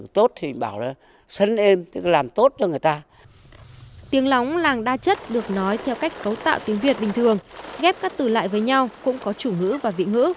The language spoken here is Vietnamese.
tiếng lóng làng đa chất được nói theo cách cấu tạo tiếng việt bình thường ghép các từ lại với nhau cũng có chủ ngữ và vị ngữ